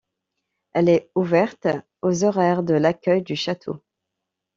Elle est ouverte aux horaires de l'accueil du château.